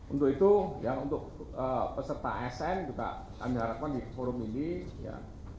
untuk itu ya untuk peserta asn juga kami harapkan di forum ini ya